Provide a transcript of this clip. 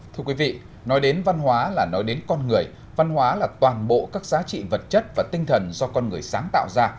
thưa quý vị nói đến văn hóa là nói đến con người văn hóa là toàn bộ các giá trị vật chất và tinh thần do con người sáng tạo ra